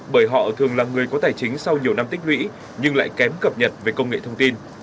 bởi họ thường là người có tài chính sau nhiều năm tích lũy nhưng lại kém cập nhật về công nghệ thông tin